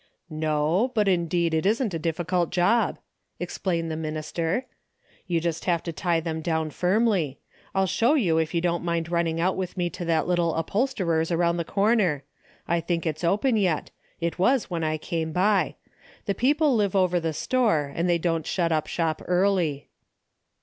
"Ho, but indeed it isn't a difficult job," ex plained the minister, "you just have to tie them down firmly. I'll show you if you don't mind running out with me to that little up holsterer's aroiyid the corner. I think it's open yet. It was when I came by. The peo ple live over the store and they don't shut up shop early."